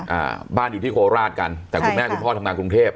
อ่าบ้านอยู่ที่โคราชกันแต่คุณแม่คุณพ่อทำงานกรุงเทพ